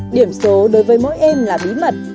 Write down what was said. điểm số đối với mỗi em là bí mật